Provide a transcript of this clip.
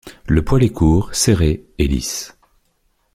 Le poil est court, serré et lisse.